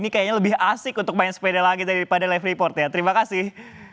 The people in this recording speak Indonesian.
ini kayaknya lebih asik untuk main sepeda lagi daripada live report ya terima kasih